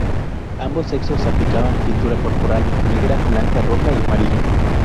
Ambos sexos se aplicaban pintura corporal negra, blanca, roja y amarilla.